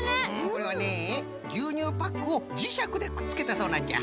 これはねぎゅうにゅうパックをじしゃくでくっつけたそうなんじゃ。